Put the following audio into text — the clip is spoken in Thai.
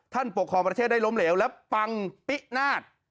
ปกครองประเทศได้ล้มเหลวและปังปินาศ